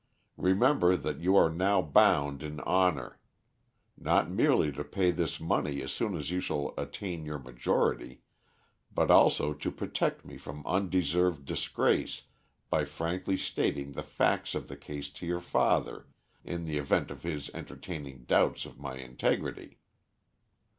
Remember that you are now bound in honor, not merely to pay this money as soon as you shall attain your majority, but also to protect me from undeserved disgrace by frankly stating the facts of the case to your father in the event of his entertaining doubts of my integrity.